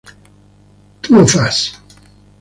Two of Us